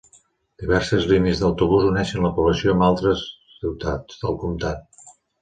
Diverses línies d'autobús uneixen la població amb altres ciutats del comtat.